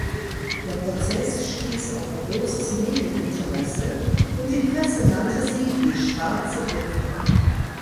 Der Prozess stieß auf großes Medieninteresse und die Presse nannte sie die „Schwarze Witwe“.